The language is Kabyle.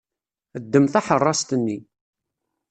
Ddem taḥeṛṛast-nni.